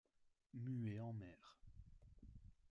Muet en mer.